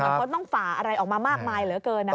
เพราะต้องฝาอะไรออกมามากมายเหลือเกินนะครับ